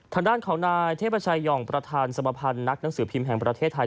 ทางด้านของนายเทพชายองประธานสมภัณฑ์นักหนังสือพิมพ์แห่งประเทศไทย